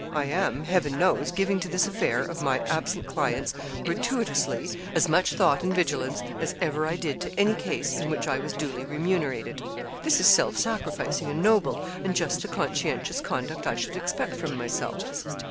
I am, Heaven knows, giving to this affair of my absent client's, gratuitously, as much thought and vigilance as ever I did to any case in which I was duly remunerated. This is self sacrificing and noble, and just the conscientious conduct I should expect from myself.'